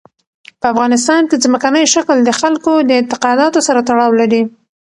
په افغانستان کې ځمکنی شکل د خلکو د اعتقاداتو سره تړاو لري.